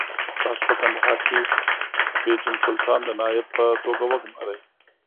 تاسو په کندهار کې بېجن سلطان د نایب په توګه وګمارئ.